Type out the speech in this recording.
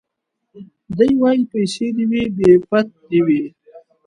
دی وايي پيسې دي وي بې پت دي وي